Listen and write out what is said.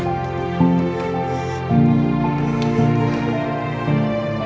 aku mau denger